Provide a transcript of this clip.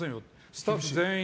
スタッフ全員。